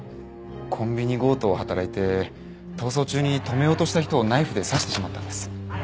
コンビニ強盗を働いて逃走中に止めようとした人をナイフで刺してしまったんです。